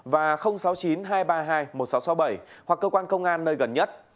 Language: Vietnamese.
và sáu mươi chín hai trăm ba mươi hai một nghìn sáu trăm sáu mươi bảy hoặc cơ quan công an nơi gần nhất